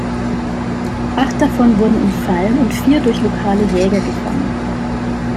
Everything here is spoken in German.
Acht davon wurden in Fallen und vier durch lokale Jäger gefangen.